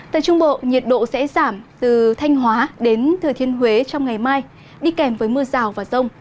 tại trung bộ nhiệt độ sẽ giảm từ thanh hóa đến thừa thiên huế trong ngày mai đi kèm với mưa rào và rông